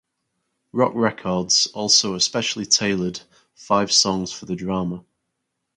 Rock Records also especially tailored five songs for the drama.